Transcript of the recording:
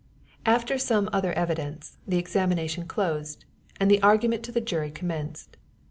After some other evidence, the examination closed, and the argument to the jury commenced.